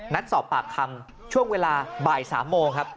นัดสอบปากคำช่วงเวลาบ่าย๓โมงครับ